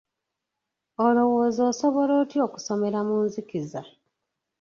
Olowooza asobola atya okusomera mu nzikiza?